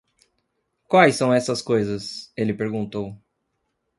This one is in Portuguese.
"Quais são essas coisas?", ele perguntou.